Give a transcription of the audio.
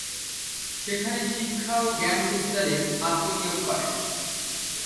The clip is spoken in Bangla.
সেখানে শিক্ষা ও জ্ঞান বিস্তারে আত্মনিয়োগ করেন।